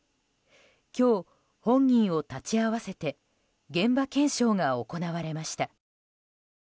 今日、本人を立ち会わせて現場検証が行われました。